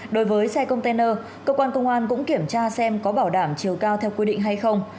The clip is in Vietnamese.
đối với xe container cơ quan công an cũng kiểm tra xem có bảo đảm chiều cao theo quy định hay không